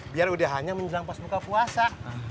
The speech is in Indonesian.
biar udah hanya menjelang pas buka puasa